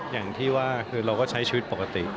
อย่างที่ว่าคือเราก็ใช้ชีวิตปกติ